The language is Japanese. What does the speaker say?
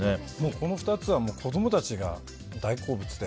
この２つは子供たちが大好物で。